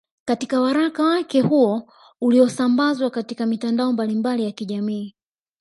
Katika waraka wake huo uliosambazwa katika mitandao mbalimbali ya kijamii